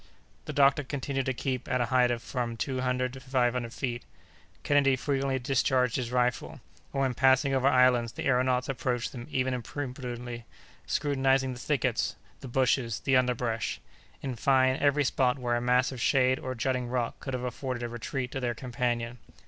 The doctor continued to keep at a height of from two hundred to five hundred feet. Kennedy frequently discharged his rifle; and, when passing over islands, the aëronauts approached them even imprudently, scrutinizing the thickets, the bushes, the underbrush—in fine, every spot where a mass of shade or jutting rock could have afforded a retreat to their companion.